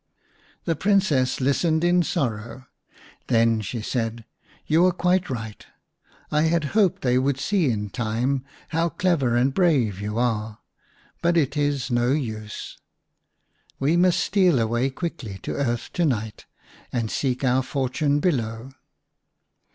The Princess listened in sorrow. Then she said, " You are quite right. I had hoped they would see in time how clever and brave you are, but it is no use. We must steal away quickly to earth to night, and seek our fortune below.